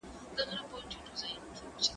زه له سهاره مځکي ته ګورم!.